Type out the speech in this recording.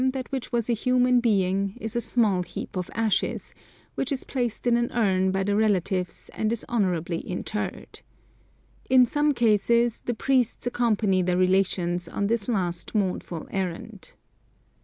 that which was a human being is a small heap of ashes, which is placed in an urn by the relatives and is honourably interred. In some cases the priests accompany the relations on this last mournful errand.